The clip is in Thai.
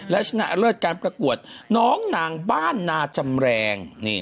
และชนะเลิศการประกวดน้องนางบ้านนาจำแรง